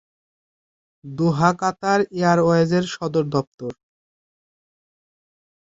দোহা Qatar এয়ারওয়েজের সদর দফতর।